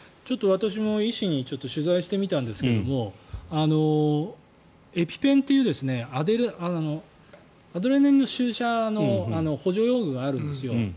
私も医師に取材してみたんですけどエピペンというアドレナリンの注射の補助用具があるんですよ。